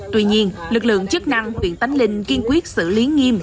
tuy nhiên lực lượng chức năng huyện tánh linh kiên quyết xử lý nghiêm